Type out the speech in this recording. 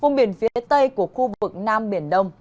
vùng biển phía tây của khu vực nam biển đông